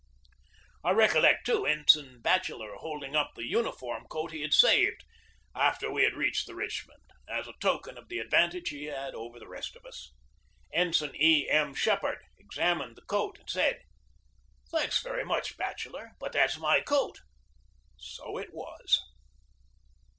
I recollect, too, Ensign Batcheller holding up the uniform coat he had saved, after we had reached the Richmond, as a token of the advantage he had over the rest of us. Ensign E. M. Shepard exam ined the coat and said: "Thanks, very much, Batcheller, but that's my coat!" So it was.